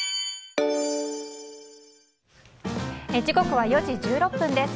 時刻は４時１６分です。